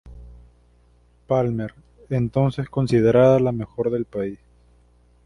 Palmer, entonces considerada la mejor del país.